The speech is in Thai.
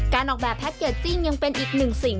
การออกแบบแพ็คเกจจิ้งยังเป็นอีกหนึ่งสิ่ง